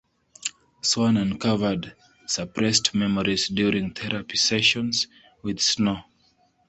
Swan uncovered suppressed memories during therapy sessions with Snow.